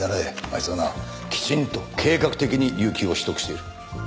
あいつはなきちんと計画的に有休を取得している。